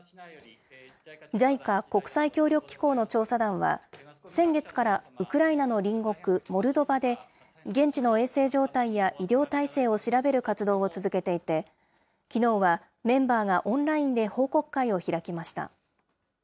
ＪＩＣＡ・国際協力機構の調査団は、先月からウクライナの隣国、モルドバで、現地の衛生状態や医療態勢を調べる活動を続けていて、きのうはメンバーがオンラインで報告会を開きました。